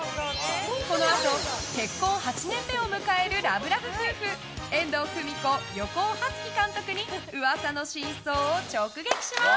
このあと結婚８年目を迎えるラブラブ夫婦遠藤久美子、横尾初喜監督に噂の真相を直撃します。